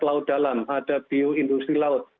ada bio dalam ada bio industri laut